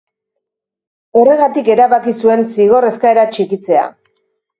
Horregatik erabaki zuen zigor eskaera txikitzea.